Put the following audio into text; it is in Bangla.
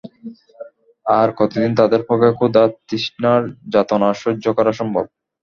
আর কতদিন তাদের পক্ষে ক্ষুধা-তৃষ্ণার যাতনা সহ্য করা সম্ভব?